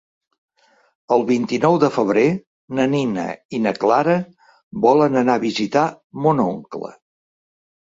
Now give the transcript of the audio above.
El vint-i-nou de febrer na Nina i na Clara volen anar a visitar mon oncle.